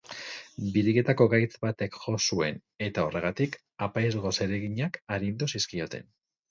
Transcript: Biriketako gaitz batek jo zuen, eta horregatik apaizgo-zereginak arindu zizkioten.